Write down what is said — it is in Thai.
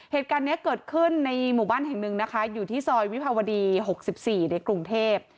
เหตุการณ์นี้เกิดขึ้นในหมู่บ้านแห่งหนึ่งนะคะอยู่ที่ซอยวิภาวดี๖๔ในกรุงเทพ